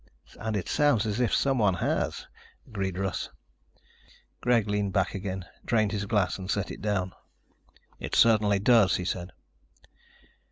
"And it sounds as if someone has," agreed Russ. Greg leaned back again, drained his glass and set it down. "It certainly does," he said.